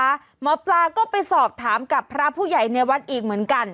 หมอปลาก็ไปสอบถามกับพระผู้ใหญ่ในวัดอีกเหมือนกัน